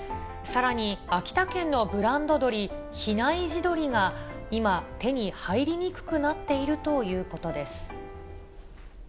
さらに、秋田県のブランド鶏、比内地鶏が今、手に入りにくくなっているということです。